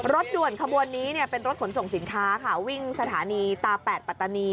รถด่วนขบวนนี้เป็นรถขนส่งสินค้าค่ะวิ่งสถานีตาแปดปัตตานี